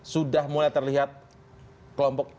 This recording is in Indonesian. sudah mulai terlihat kelompok ini kelompok inilah